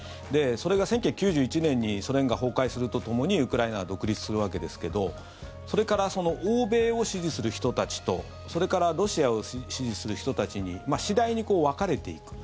それが１９９１年にソ連が崩壊するとともにウクライナは独立するわけですけどそれから欧米を支持する人たちとそれからロシアを支持する人たちに次第に分かれていく。